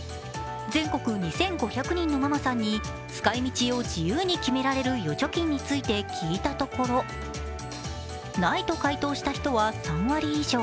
全国２５００人のママさんに使い道を自由に決められる預貯金を聞いたところないと回答した人は３割以上。